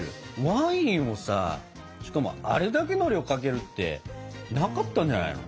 ワインをさしかもあれだけの量をかけるってなかったんじゃないの？